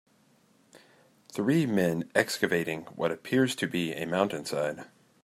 Three men excavating what appears to be a mountainside.